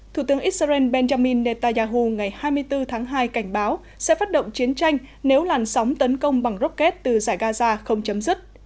thủ tướng israel benjamin netanyahu ngày hai mươi bốn tháng hai cảnh báo sẽ phát động chiến tranh nếu làn sóng tấn công bằng rocket từ giải gaza không chấm dứt